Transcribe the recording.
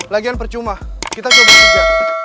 lagian percuma kita coba aja